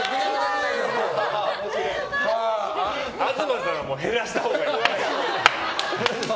東さんは減らしたほうがいい。